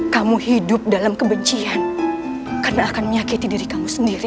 kamu hidup dalam kebencian karena akan menyakiti diri kamu sendiri